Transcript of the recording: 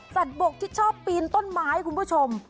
บกที่ชอบปีนต้นไม้คุณผู้ชม